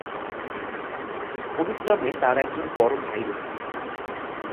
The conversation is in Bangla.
অনুপ নামে তার একজন বড়ো ভাই রয়েছেন।